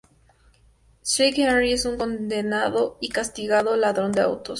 Slick Henry es un condenado y castigado ladrón de autos.